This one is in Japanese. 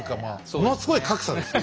ものすごい格差ですね。